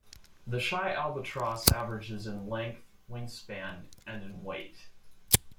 The shy albatross averages in length, wingspan, and in weight.